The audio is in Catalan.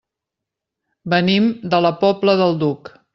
Venim de la Pobla del Duc.